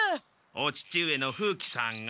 お父上の風鬼さんが？